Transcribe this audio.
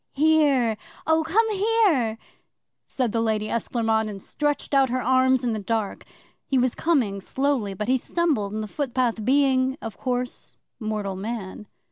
'"Here, oh, come here!" said the Lady Esclairmonde, and stretched out her arms in the dark. 'He was coming slowly, but he stumbled in the footpath, being, of course, mortal man.